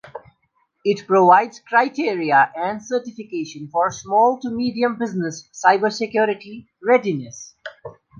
It provides criteria and certification for small-to-medium business cybersecurity readiness.